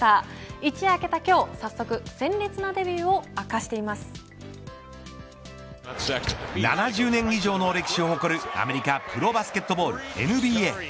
一夜明けた今日早速７０年以上の歴史を誇るアメリカプロバスケットボールＮＢＡ。